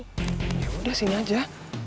yaudah sini aja